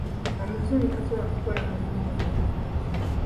Omuzungu tasobola kukola mulimu ogwo.